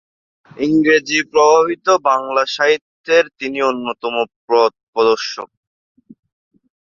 ইংরেজি প্রভাবিত বাংলা সাহিত্যের তিনি অন্যতম পথপ্রদর্শক।